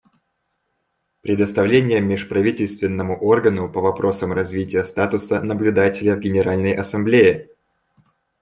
Предоставление Межправительственному органу по вопросам развития статуса наблюдателя в Генеральной Ассамблее.